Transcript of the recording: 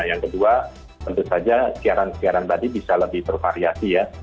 yang kedua tentu saja siaran siaran tadi bisa lebih bervariasi ya